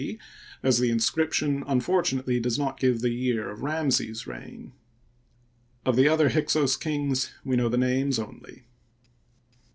c, as the inscription unfortunately does not give the year of Ramses's reign. Of the other Hyksos kings, we know the names only.